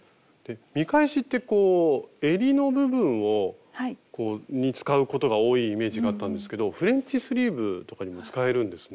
見返しってこうえりの部分に使うことが多いイメージがあったんですけどフレンチスリーブとかにも使えるんですね。